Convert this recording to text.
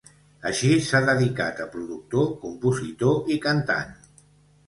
Així s'ha dedicat a productor, compositor i cantant.